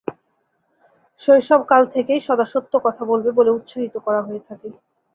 শৈশবকাল থেকেই ‘সদা সত্য কথা বলবে’ বলে উৎসাহিত করা হয়ে থাকে।